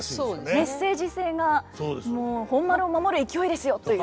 メッセージ性が「本丸を守る勢いですよ」という。